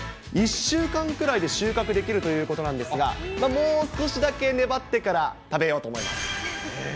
１週間くらいで収穫できるということなんですが、もう少しだけ粘ってから、食べようと思います。